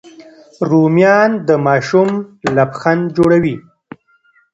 رومیان د ماشوم لبخند جوړوي